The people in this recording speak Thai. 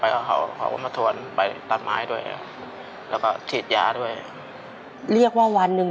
พี่ก็ต้องเป็นภาระของน้องของแม่อีกอย่างหนึ่ง